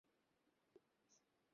কি দরকার এই সবের?